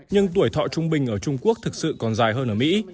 nhưng tuổi thọ trung bình ở trung quốc thực sự còn dài hơn ở mỹ